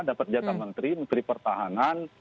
dapat jatah menteri menteri pertahanan